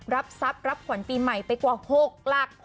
รับทรัพย์รับขวัญปีใหม่ไปกว่า๖หลัก